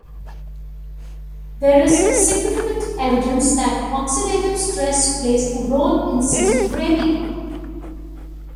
There is significant evidence that oxidative stress plays a role in schizophrenia.